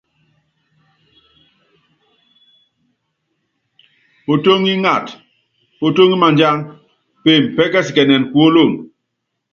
Potóŋi ingata, potóŋi madjang, peeme pɛ́kɛsikɛnɛn kuólono.